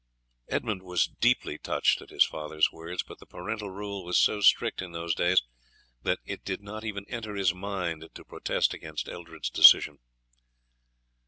Edmund was deeply touched at his father's words, but the parental rule was so strict in those days that it did not even enter his mind to protest against Eldred's decision.